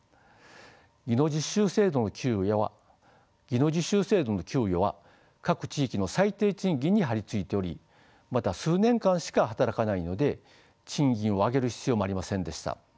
技能実習生の給与は各地域の最低賃金に張り付いておりまた数年間しか働かないので賃金を上げる必要もありませんでした。